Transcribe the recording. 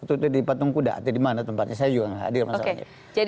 tutupnya di patung kuda atau di mana tempatnya saya juga nggak hadir masalahnya